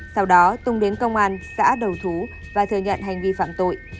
sau đó tùng đến công an xã đầu thú và thừa nhận hành vi phạm tội